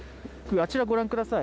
あちらご覧ください。